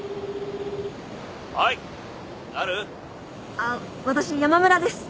あっ私山村です。